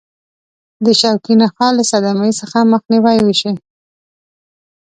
د شوکي نخاع له صدمې څخه مخنیوي وشي.